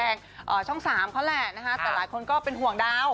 ช่องสามเขาแหละนะคะแต่หลายคนก็เป็นห่วงดาว